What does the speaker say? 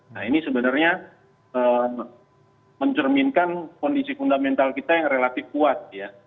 nah ini sebenarnya mencerminkan kondisi fundamental kita yang relatif kuat ya